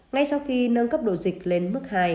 ngay sau khi nâng cấp độ dịch lên mức hai